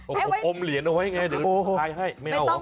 โอ้โหอมเหรียญเอาไว้ไงนึกถ้าถ่ายให้ไม่เอาเหรอ